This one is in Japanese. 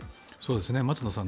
松野さん